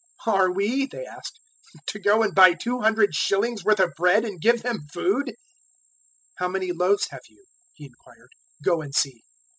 "Are we," they asked, "to go and buy two hundred shillings' worth of bread and give them food?" 006:038 "How many loaves have you?" He inquired; "go and see."